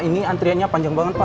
ini antriannya panjang banget pak